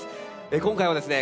今回はですね